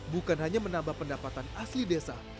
bukan hanya menambah pendapatan asli desa